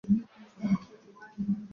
Asili ya neno haijulikani kikamilifu.